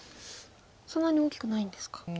そんなに大きくないんですか。